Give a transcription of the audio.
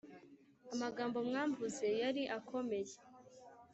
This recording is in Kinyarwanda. Amagambo mwamvuze yari akomeye